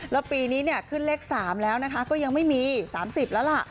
แล้วปีนี้ขึ้นเลข๓แล้วนะคะก็ยังไม่มี๓๐แล้วล่ะ